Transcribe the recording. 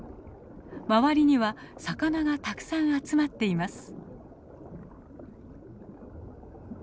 周りには魚がたくさん集まっています。